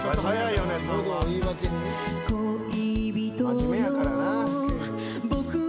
真面目やからな。